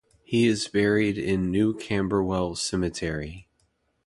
He is buried in New Camberwell Cemetery.